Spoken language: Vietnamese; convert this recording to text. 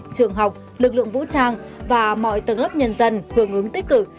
trường học lực lượng vũ trang và mọi tầng lớp nhân dân hưởng ứng tích cực